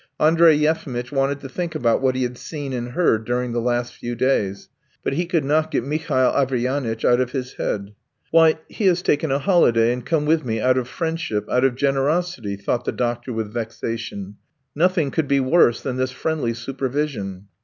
Andrey Yefimitch wanted to think about what he had seen and heard during the last few days, but he could not get Mihail Averyanitch out of his head. "Why, he has taken a holiday and come with me out of friendship, out of generosity," thought the doctor with vexation; "nothing could be worse than this friendly supervision.